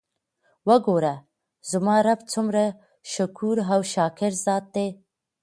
وګوره! زما رب څومره شکور او شاکر ذات دی!!؟